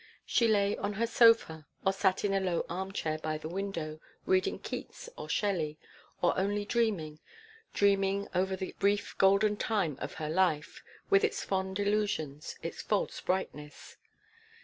She lay on her sofa or sat in a low arm chair by the window, reading Keats or Shelley or only dreaming dreaming over the brief golden time of her life, with its fond delusions, its false brightness.